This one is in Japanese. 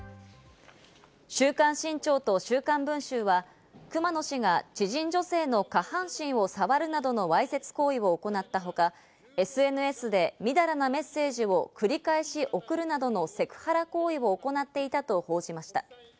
『週刊新潮』と『週刊文春』は熊野氏が知人女性の下半身を触るなどのわいせつ行為を行ったほか、ＳＮＳでみだらなメッセージを繰り返し送るなどのセクハラ行為を行っていたと報じました。